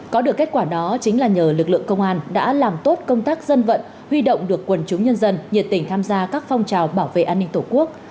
có được kết quả đó chính là nhờ lực lượng công an đã làm tốt công tác dân vận huy động được quần chúng nhân dân nhiệt tình tham gia các phong trào bảo vệ an ninh tổ quốc